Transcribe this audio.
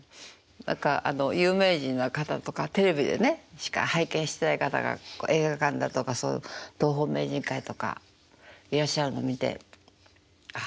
何か有名人の方とかテレビでしか拝見してない方が映画館だとか東宝名人会とかいらっしゃるの見てああ